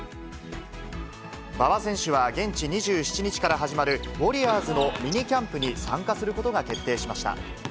馬場選手は現地２７日から始まるウォリアーズのミニキャンプに参加することが決定しました。